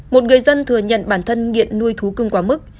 một người dân thừa nhận bản thân nghiện nuôi thú cưng quá mức